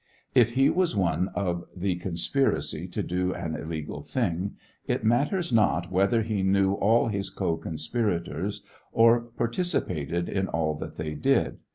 If he was one of the conspiracy to do an illegal thing, it matters not whether he knew all his co conspirators or partici pated in all that they did.